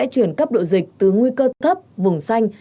từng cấp độ dịch từ nguy cơ cấp vùng xanh